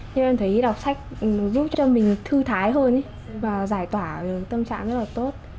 nhưng em thấy đọc sách giúp cho mình thư thái hơn và giải tỏa tâm trạng rất là tốt